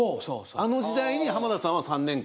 あの時代に浜田さんは３年間。